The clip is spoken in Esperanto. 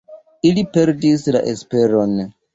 Ili perdis la esperon.